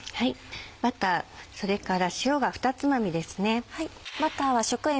バターそれから塩がふたつまみですね。